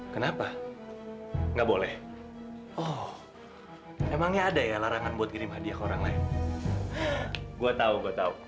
berani beraninya gangguin tali tali gue